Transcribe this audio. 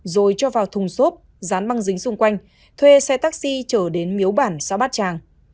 rồi cho vào thùng xốp dán băng dính xung quanh thuê xe taxi trở đến miếu bản xã bát tràng